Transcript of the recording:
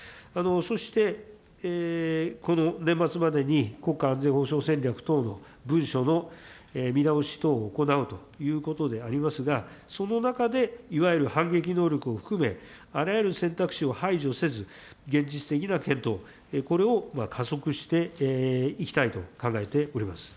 そしてこの年末までに、国家安全保障戦略等の文書の見直し等を行うということでありますが、その中で、いわゆる反撃能力を含め、あらゆる選択肢を排除せず、現実的な検討、これを加速していきたいと考えております。